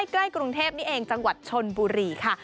ใกล้กรุงเทพนี่เองจังหวัดชนบุรีค่ะ